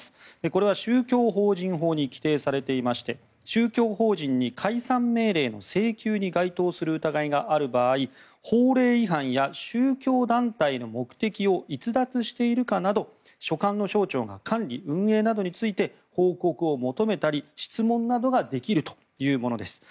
これは宗教法人法に規定されていまして宗教法人に解散命令の請求に該当する疑いのある場合法令違反や宗教団体の目的を逸脱しているかなど所管の省庁が管理・運営などについて報告を求めたり、質問などができるというものです。